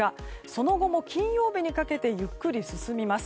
その後も金曜日にかけてゆっくり進みます。